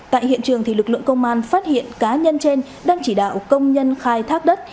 tại hiện trường lực lượng công an phát hiện cá nhân trên đang chỉ đạo công nhân khai thác đất